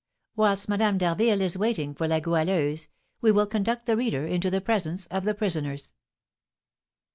Whilst Madame d'Harville is waiting for La Goualeuse, we will conduct the reader into the presence of the prisoners.